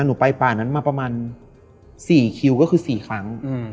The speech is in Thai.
หนูไปป่านั้นมาประมาณ๔คิวก็คือ๔ครั้ง